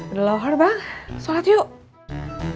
udah lahar bang sholat yuk